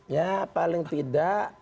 ya paling tidak